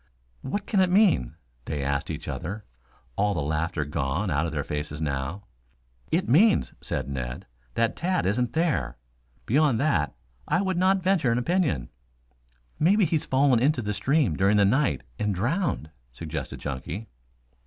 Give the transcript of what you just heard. "What can it mean?" they asked each other, all the laughter gone out of their faces now. "It means," said Ned, "that Tad isn't there. Beyond that, I would not venture an opinion." "Maybe he's fallen into the stream during the night and drowned," suggested Chunky.